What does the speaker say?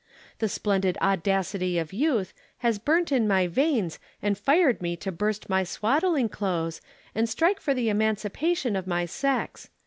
The splendid audacity of youth has burnt in my veins and fired me to burst my swaddling clothes and strike for the emancipation of my sex.